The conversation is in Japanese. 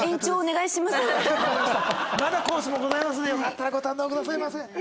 まだコースもございますのでよかったらご堪能くださいませ。